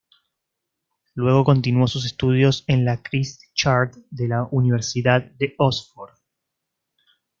Luego continuó sus estudios en el Christ Church de la Universidad de Oxford.